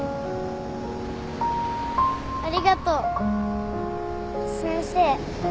ありがとう先生。